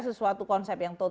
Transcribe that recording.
mengurangi carbon market